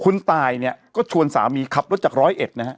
คุณตายเนี่ยก็ชวนสามีขับรถจากร้อยเอ็ดนะฮะ